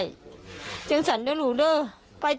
เว้นหาเอ้ย